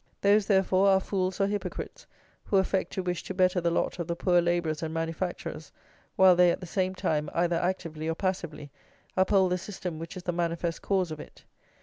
Those, therefore, are fools or hypocrites who affect to wish to better the lot of the poor labourers and manufacturers, while they, at the same time, either actively or passively, uphold the system which is the manifest cause of it.